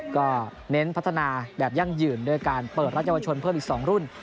ก็เน้นพัฒนาแบบยั่งยืนด้วยการเปิดรัฐเยาวชนเพิ่มอีก๒รุ่น